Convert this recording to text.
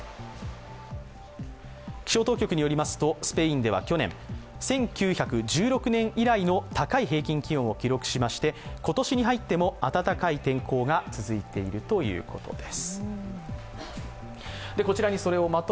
気象当局によりますとスペインでは去年、１９１６年以来の高い気温を記録しまして、今年に入っても暖かい天候が続いているということです。